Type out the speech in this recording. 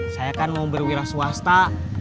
saya kan mau berwira swasta